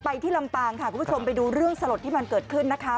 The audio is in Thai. ที่ลำปางค่ะคุณผู้ชมไปดูเรื่องสลดที่มันเกิดขึ้นนะคะ